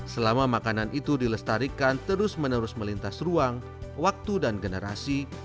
selama makanan itu dilestarikan terus menerus melintas ruang waktu dan generasi